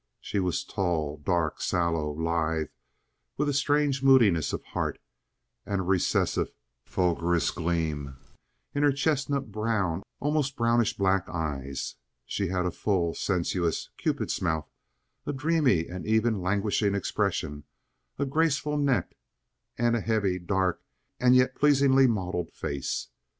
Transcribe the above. She was tall, dark, sallow, lithe, with a strange moodiness of heart and a recessive, fulgurous gleam in her chestnut brown, almost brownish black eyes. She had a full, sensuous, Cupid's mouth, a dreamy and even languishing expression, a graceful neck, and a heavy, dark, and yet pleasingly modeled face.